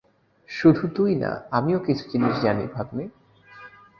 শুধু তুই না, আমিও কিছু জিনিস জানি, ভাগ্নে।